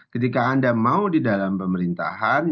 ketika anda mau di dalam pemerintahan